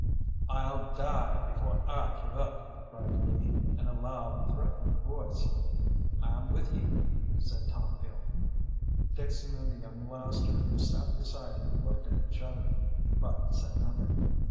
"I'll die before I give up," cried Lee, in a loud, threatening voice. "I'm with ye," said Tom Peel. Dixon and the young laster who sat beside him looked at each other, but said nothing.